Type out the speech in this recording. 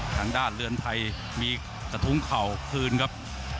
ทางด้านเรือนไทยมีกระทุ้งเข่าคืนครับ